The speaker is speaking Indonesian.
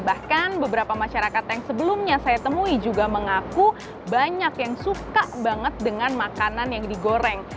bahkan beberapa masyarakat yang sebelumnya saya temui juga mengaku banyak yang suka banget dengan makanan yang digoreng